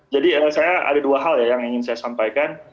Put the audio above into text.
jadi saya ada dua hal yang ingin saya sampaikan